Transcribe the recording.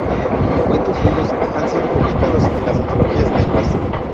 Cuentos suyos han sido publicados en las antologías "Lenguas.